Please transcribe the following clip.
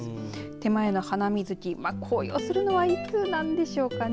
手前のハナミズキ、紅葉するのはいつなんでしょうかね。